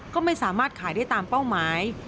ก็ไม่สามารถขายได้ตามเป้าหมาย